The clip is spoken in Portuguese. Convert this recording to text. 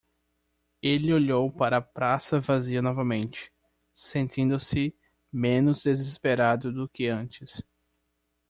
Ele olhou para a praça vazia novamente, sentindo-se menos desesperado do que antes.